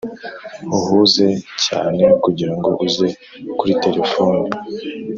uhuze cyane kugirango uze kuri terefone.